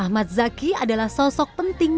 ahmad zaki adalah sosok penting